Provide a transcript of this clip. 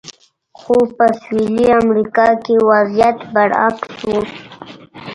خو په سویلي امریکا کې وضعیت برعکس و.